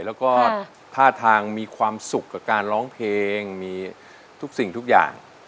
แล้วก็ท่าทางมีความสุขกับการร้องเพลงมีทุกสิ่งทุกอย่าง